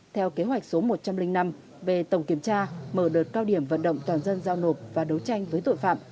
theo kế hoạch số một trăm linh năm về tổng kiểm tra mở đợt cao điểm vận động toàn dân giao nộp và đấu tranh với tội phạm